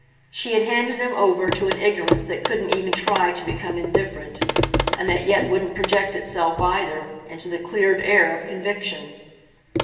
She had handed him over to an ignorance that couldn't even try to become indifferent and that yet wouldn't project itself, either, into the cleared air of conviction.